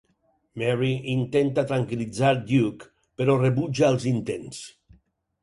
Mary intenta tranquil·litzar Duke, però rebutja els intents.